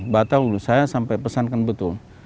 batal dulu saya sampai pesankan betul